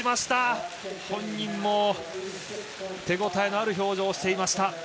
本人も手応えのある表情でした。